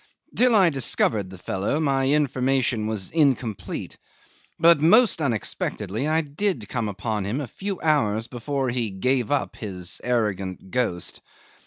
Till I discovered the fellow my information was incomplete, but most unexpectedly I did come upon him a few hours before he gave up his arrogant ghost.